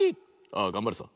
「ああがんばるさ」。